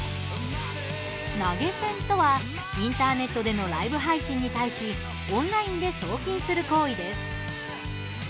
投げ銭とはインターネットでのライブ配信に対しオンラインで送金する行為です。